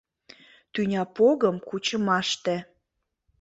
Тӱня погым кучымаште